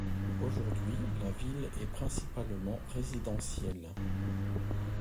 Aujourd'hui, la ville est principalement résidentielle.